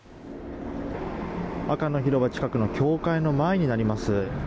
赤の広場近くの教会の前になります。